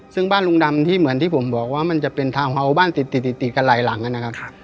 ซึ่งบ้านลุงดำที่เหมือนที่ผมบอกว่ามันจะเป็นทาวน์เฮาส์บ้านติดติดกันหลายหลังนะครับ